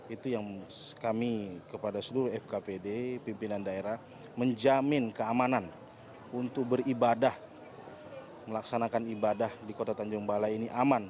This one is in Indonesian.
itu yang kami kepada seluruh fkpd pimpinan daerah menjamin keamanan untuk beribadah melaksanakan ibadah di kota tanjung balai ini aman